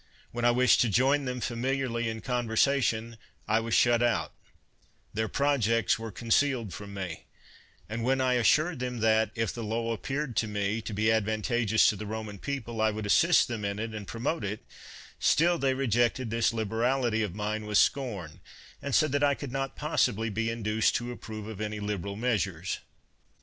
When I wished to join them familiarly in conversation I was shut out — their projects were concealed from me ; and when I assured them that, if the law ap peared to me to be advantajgeous to the Roman people, I would assist them in it and promote it, still they rejected this liberality of mine with scorn, and said that I could not possibly be in duced to approve of any liberal measures.